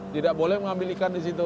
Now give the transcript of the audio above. tidak boleh mengambil ikan di situ